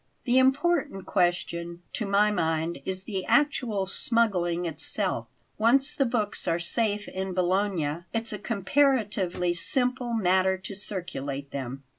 The important question, to my mind, is the actual smuggling itself. Once the books are safe in Bologna, it's a comparatively simple matter to circulate them."